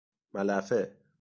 ملحفه